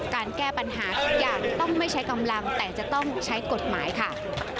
การแก้ปัญหาทุกอย่างต้องไม่ใช้กำลังแต่จะต้องใช้กฎหมายค่ะ